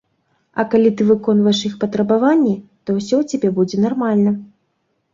А калі ты выконваеш іх патрабаванні, то ўсё ў цябе будзе нармальна.